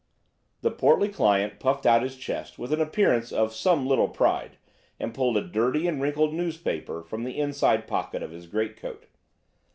The portly client puffed out his chest with an appearance of some little pride and pulled a dirty and wrinkled newspaper from the inside pocket of his greatcoat.